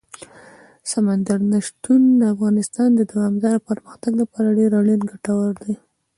سمندر نه شتون د افغانستان د دوامداره پرمختګ لپاره ډېر اړین او ګټور دی.